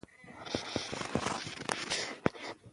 لوستې میندې د ماشوم پر پاکوالي څارنه کوي.